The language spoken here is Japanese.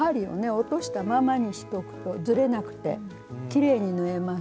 落としたままにしとくとずれなくてきれいに縫えます。